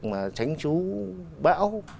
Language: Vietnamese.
tránh trú bão